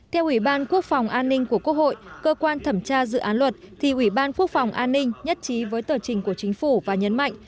theo ủy ban quốc phòng an ninh của quốc hội cơ quan thẩm tra dự án luật thì ủy ban quốc phòng an ninh nhất trí với tờ trình của chính phủ và nhấn mạnh